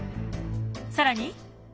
更に。